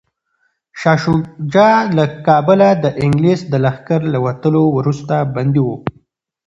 شاه شجاع له کابله د انګلیس د لښکر له وتلو وروسته بندي و.